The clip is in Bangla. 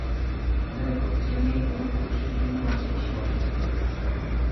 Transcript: মনে রেখ, যে মেয়ে কোন পুরুষের জন্য বাঁচে, সে অসুখী থাকে।